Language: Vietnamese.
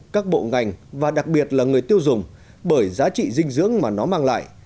các bộ ngành và đặc biệt là người tiêu dùng bởi giá trị dinh dưỡng mà nó mang lại